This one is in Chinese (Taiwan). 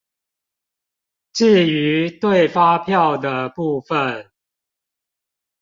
至於對發票的部分